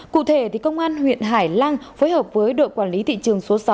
cụ thể công an huyện hải lăng phối hợp với đội quản lý thị trường số sáu